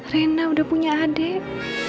rena sudah punya adik